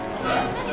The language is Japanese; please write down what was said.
何？